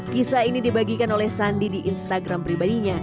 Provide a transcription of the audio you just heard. kisah ini dibagikan oleh sandi di instagram pribadinya